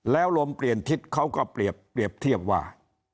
แล้วลมเปลี่ยนทิศเขาก็เปรียบเทียบว่า